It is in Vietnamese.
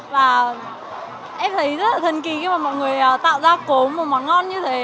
và em thấy rất là thần kỳ khi mà mọi người tạo ra cố một món ngon như thế